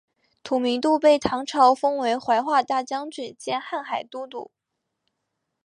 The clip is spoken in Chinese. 吐迷度被唐朝封为怀化大将军兼瀚海都督。